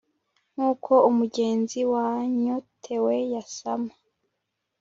nk'uko umugenzi wanyotewe yasama